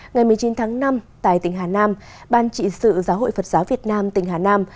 ngày một mươi chín tháng năm tại tỉnh hà nam ban trị sự giáo hội phật giáo việt nam tỉnh hà nam